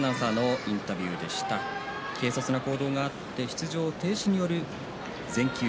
軽率な行動があって出場停止による全休